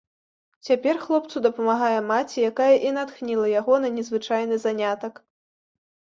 Цяпер хлопцу дапамагае маці, якая і натхніла яго на незвычайны занятак.